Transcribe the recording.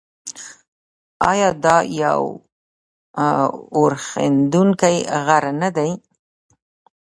آیا دا یو اورښیندونکی غر نه دی؟